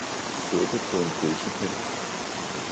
»Suppe paa en Pølsepind.